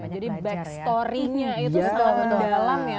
jadi back story nya itu sangat mendalam ya